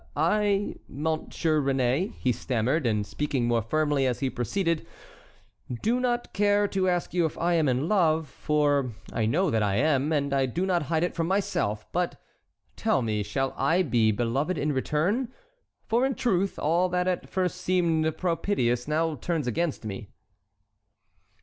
"I, Monsieur Réné," he stammered, and speaking more firmly as he proceeded, "do not care to ask you if I am in love, for I know that I am, and I do not hide it from myself; but tell me, shall I be beloved in return? for, in truth, all that at first seemed propitious now turns against me."